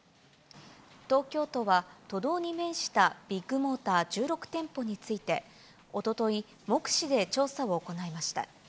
東京都は、都道に面したビッグモーター１６店舗について、おととい、目視で調査を行いました。